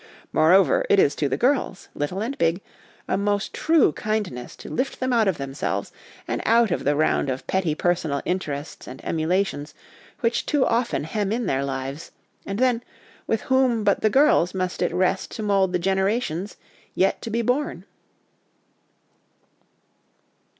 Moreover, it is to the girls, little and big, a most true kindness to lift them out of themselves and out of the round of petty personal interests and emulations which too often hem in their lives ; and then, with whom but the girls must it rest to mould the generations yet to be born